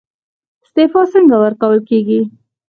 استعفا څنګه ورکول کیږي؟